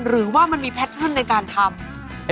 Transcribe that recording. หรือว่ามันมีแพทเทิร์นในการทำ